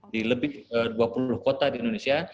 di lebih dua puluh kota di indonesia